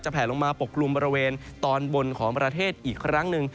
แผลลงมาปกกลุ่มบริเวณตอนบนของประเทศอีกครั้งหนึ่ง